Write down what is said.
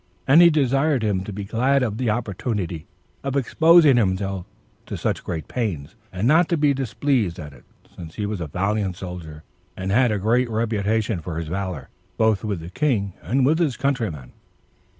And he desired him to be glad of the opportunity of exposing himself to such great pains, and not to be displeased at it, since he was a valiant soldier, and had a great reputation for his valor, both with the king and with his countrymen.